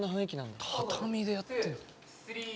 畳でやってんだ。